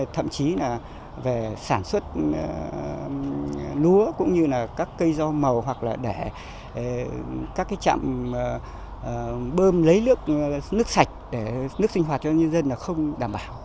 thậm chí là về sản xuất lúa cũng như là các cây rau màu hoặc là để các cái chạm bơm lấy nước nước sạch để nước sinh hoạt cho nhân dân là không đảm bảo